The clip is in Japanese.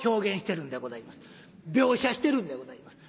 描写してるんでございます。